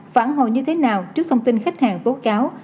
phản hồi như thế nào trước thông tin khách hàng tố cáo